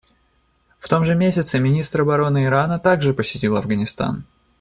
В том же месяце министр обороны Ирана также посетил Афганистан.